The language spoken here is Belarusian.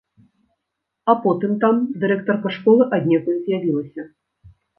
А потым там дырэктарка школы аднекуль з'явілася.